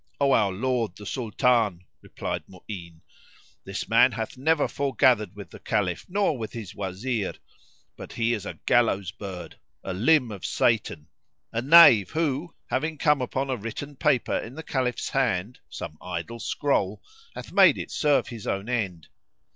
O our lord the Sultan," replied Mu'ín, "this man hath never foregathered with the Caliph nor with his Wazir; but he is a gallows bird, a limb of Satan, a knave who, having come upon a written paper in the Caliph's hand, some idle scroll, hath made it serve his own end.